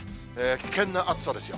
危険な暑さですよ。